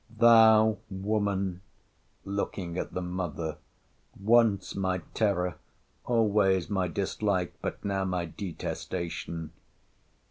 'Thou, woman, [looking at the mother] once my terror! always my dislike! but now my detestation!